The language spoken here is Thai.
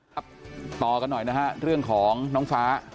ต่อกันหน่อยนะฮะเรื่องของน้องฟ้า